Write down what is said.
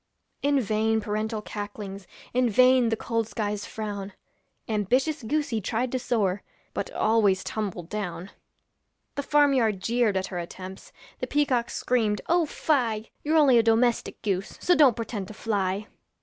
In vain parental cacklings, In vain the cold sky's frown, Ambitious goosey tried to soar, But always tumbled down. The farm yard jeered at her attempts, The peacocks screamed, 'Oh fie! You're only a domestic goose, So don't pretend to fly.'